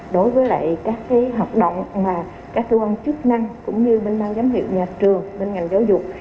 đối với lại các cái hợp động mà các thư văn chức năng cũng như bên bang giám hiệu nhà trường bên ngành giáo dục